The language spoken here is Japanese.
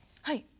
はい。